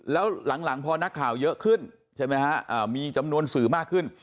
แล้วหลังพอนักข่าวเยอะขึ้นใช่ไหมฮะมีจำนวนสื่อมากขึ้น